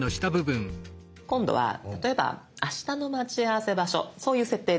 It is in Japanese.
今度は例えばあしたの待ち合わせ場所そういう設定で。